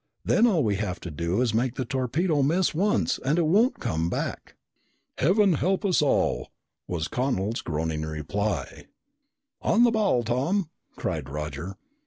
Then all we have to do is make the torpedo miss once and it won't come back." "Heaven help us all!" was Connel's groaning reply. "On the ball, Tom!" cried Roger.